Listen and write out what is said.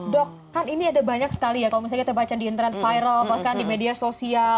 dok kan ini ada banyak sekali ya kalau misalnya kita baca di internet viral bahkan di media sosial